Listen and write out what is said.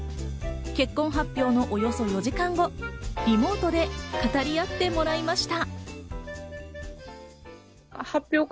結婚発表のおよそ４時間後、リモートで語り合ってもらいました。